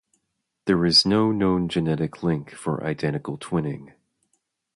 There is no known genetic link for identical twinning.